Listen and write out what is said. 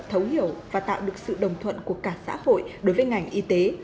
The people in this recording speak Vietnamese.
thấu hiểu và tạo được sự đồng thuận của cả xã hội đối với ngành y tế